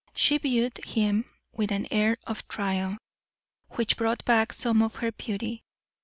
She viewed him with an air of triumph, which brought back some of her beauty.